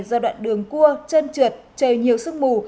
do đoạn đường cua chân trượt trời nhiều sương mù